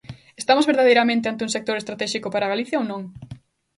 ¿Estamos verdadeiramente ante un sector estratéxico para Galicia ou non?